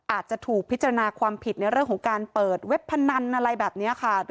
อาจจะถูกพิจารณาความผิดในเรื่องของการเปิดเว็บพนันอะไรแบบนี้ค่ะ